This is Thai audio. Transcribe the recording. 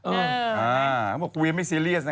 เอ่อใครบอกว่าเวียไม่ซีเรียสนะคะ